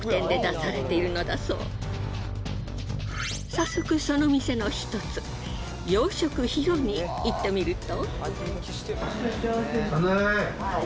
早速その店のひとつ洋食ヒロに行ってみると。